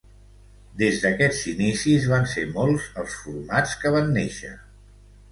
Des d'aquests inicis, van ser molts els formats que van néixer.